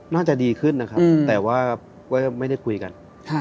น่าจะดีขึ้นนะครับแต่ว่าก็ไม่ได้คุยกัน